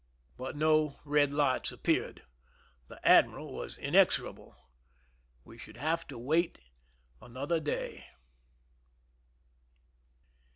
But no red lights appeared. The admiral was inexorable. We should have to wait another day.